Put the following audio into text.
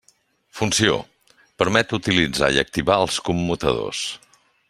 Funció: permet utilitzar i activar els commutadors.